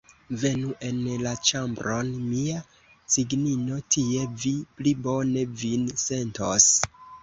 Venu en la ĉambron, mia cignino, tie vi pli bone vin sentos!